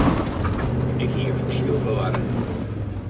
Ik hie in fossyl bewarre.